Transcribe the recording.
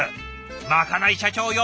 まかない社長よ